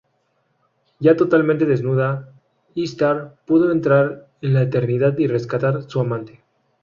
Ya totalmente desnuda, Ishtar pudo entrar en la eternidad y rescatar a su amante.